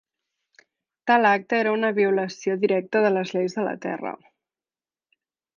Tal acte era una violació directa de les lleis de la terra.